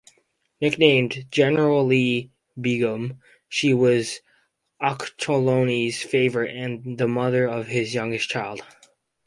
Nicknamed "Generallee Begum", she was Ochterlony's favorite and the mother of his youngest children.